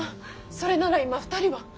それなら今２人は？